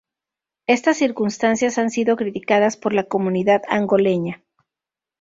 Estas circunstancias han sido criticadas por la comunidad angoleña.